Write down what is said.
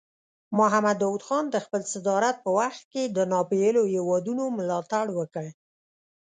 محمد داود خان د خپل صدارت په وخت کې د ناپېیلو هیوادونو ملاتړ وکړ.